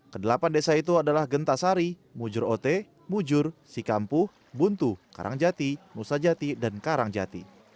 kedelapan desa itu adalah genta sari mujur ote mujur sikampuh buntu karangjati musajati dan karangjati